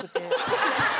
ハハハハ！